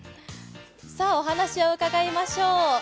お話を伺いましょう。